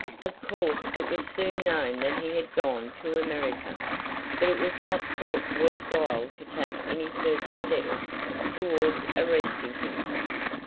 Of course, it was soon known that he had gone to America, but it was not thought worth while to take any further steps towards arresting him.